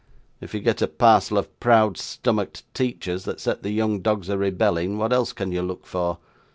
If you get a parcel of proud stomached teachers that set the young dogs a rebelling, what else can you look for?